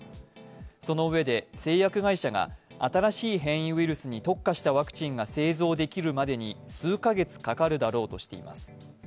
そのうえで、製薬会社が新しい変異ウイルスに特化したワクチンが製造できるまでに数カ月かかるだろうとしています。